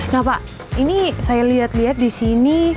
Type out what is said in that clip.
nah pak ini saya lihat lihat di sini